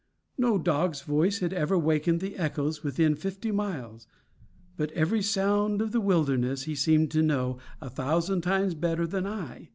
No dog's voice had ever wakened the echoes within fifty miles; but every sound of the wilderness he seemed to know a thousand times better than I.